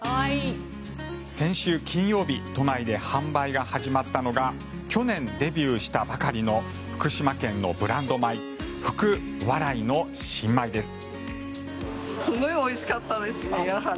先週、金曜日都内で販売が始まったのが去年デビューしたばかりの福島県のブランド米福、笑いの新米です。